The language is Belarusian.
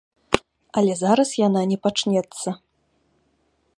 Але зараз яна не пачнецца.